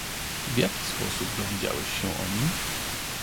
"W jaki sposób dowiedziałeś się o nim?"